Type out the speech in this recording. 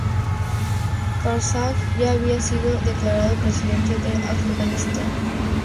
Karzai ya había sido declarado presidente de Afganistán.